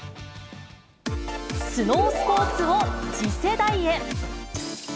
スノースポーツを次世代へ。